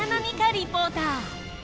リポーター。